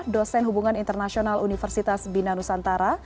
dosen hubungan internasional universitas bina nusantara